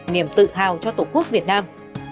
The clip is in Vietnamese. niềm tự hào cho tổ quốc việt nam